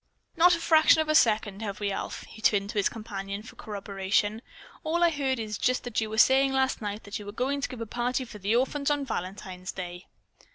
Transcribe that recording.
"Not a fraction of a second, have we, Alf?" he turned to his companion for corroboration. "All I heard is just what you were saying last night, that you are going to give a party for the orphans on Valentine's day."